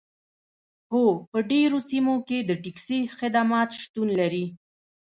هو په ډیرو سیمو کې د ټکسي خدمات شتون لري